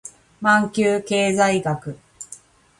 マンキュー経済学